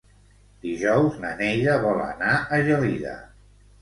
Dijous na Neida vol anar a Gelida.